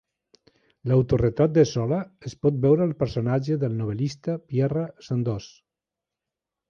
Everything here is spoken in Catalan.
L'autoretrat de Zola es pot veure al personatge del novel·lista Pierre Sandoz.